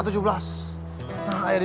nah airnya dia